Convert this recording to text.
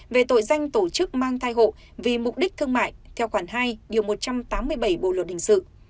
về tội danh tổ chức mang thai hộ vì mục đích thương mại theo khoản hai một trăm tám mươi bảy bộ luật hình sự